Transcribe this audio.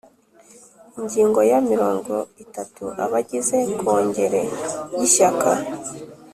Ingingo ya mirongo itatu Abagize Kongere y Ishyaka